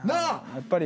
やっぱり。